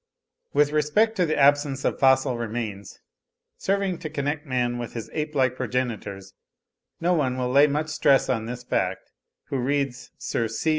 With respect to the absence of fossil remains, serving to connect man with his ape like progenitors, no one will lay much stress on this fact who reads Sir C.